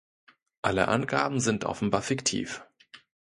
Alle Angaben sind offenbar fiktiv.